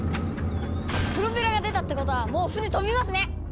プロペラが出たってことはもう船飛びますね！